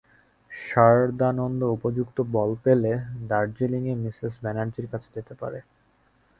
সারদানন্দ উপযুক্ত বল পেলে দার্জিলিঙে মিসেস ব্যানার্জীর কাছে যেতে পারে।